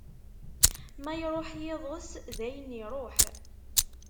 Ma iruḥ yiḍes, dayen iruḥ!